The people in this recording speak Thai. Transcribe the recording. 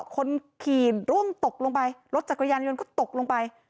คนขี่ร่วงตกลงไปรถจักรยานยนต์ก็ตกลงไป